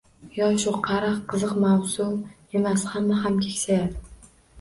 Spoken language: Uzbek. Yosh u qadar qiziq mavzu emas, hamma ham keksayadi.